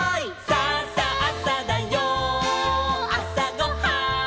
「さあさあさだよあさごはん」